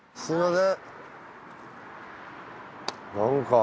すみません。